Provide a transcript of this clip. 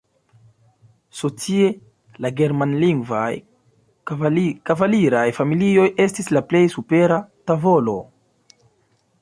Socie la germanlingvaj kavaliraj familioj estis la plej supera tavolo.